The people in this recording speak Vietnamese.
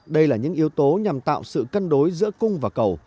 đây là những yếu tố nhằm tạo sự cân đối giữa cung và cầu